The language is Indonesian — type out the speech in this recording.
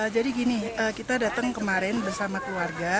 jadi gini kita datang kemarin bersama keluarga